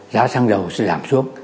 giá xăng dầu sẽ giảm xuống